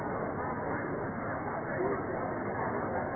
สวัสดีครับสวัสดีครับ